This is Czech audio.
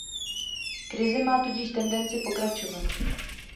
Krize má tudíž tendenci pokračovat.